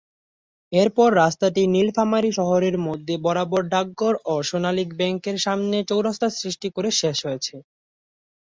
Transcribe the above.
এরপর রাস্তাটি নীলফামারী শহরের মধ্য বরাবর ডাকঘর ও সোনালী ব্যাংকের সামনে চৌরাস্তা সৃষ্টি করে শেষ হয়েছে।